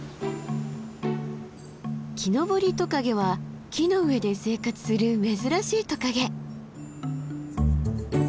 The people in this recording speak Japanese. キノボリトカゲは木の上で生活する珍しいトカゲ。